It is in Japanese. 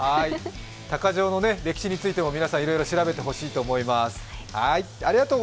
鷹匠の歴史についても皆さん、調べてみてほしいと思います。